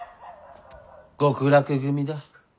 極楽組だ。